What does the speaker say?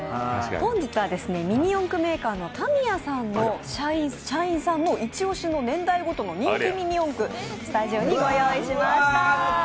本日はミニ四駆メーカー、タミヤさんのイチ押しの年代ごとの人気ミニ四駆をスタジオにご用意しました。